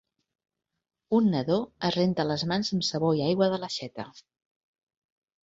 Un nadó es renta les mans amb sabó i aigua de l'aixeta.